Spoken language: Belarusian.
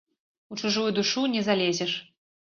У чужую душу не залезеш.